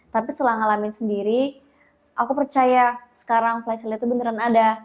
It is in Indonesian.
tapi setelah ngalamin sendiri aku percaya sekarang flash sale itu beneran ada